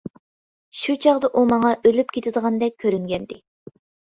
شۇ چاغدا ئۇ ماڭا ئۆلۈپ كېتىدىغاندەك كۆرۈنگەنىدى.